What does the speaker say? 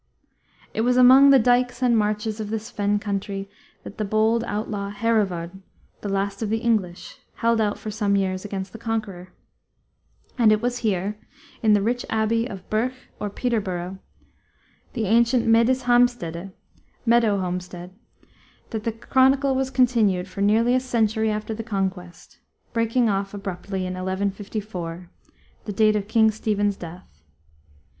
It was among the dikes and marshes of this fen country that the bold outlaw Hereward, "the last of the English," held out for some years against the conqueror. And it was here, in the rich abbey of Burch or Peterborough, the ancient Medeshamstede (meadow homestead) that the chronicle was continued for nearly a century after the Conquest, breaking off abruptly in 1154, the date of King Stephen's death.